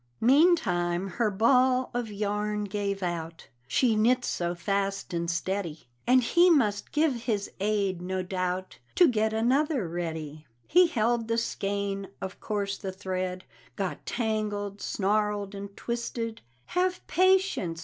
Meantime her ball of yarn gave out, She knit so fast and steady; And he must give his aid, no doubt, To get another ready. He held the skein; of course the thread Got tangled, snarled and twisted; "Have Patience!"